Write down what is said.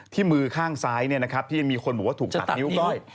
ที่มือข้างซ้ายเนี่ยนะครับที่มีคนบอกว่าถูกตัดนิ้วก้อย